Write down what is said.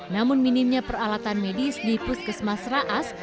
namun minimnya peralatan medis di pus kesemasi raas